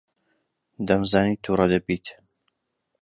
دەمزانی تووڕە دەبیت.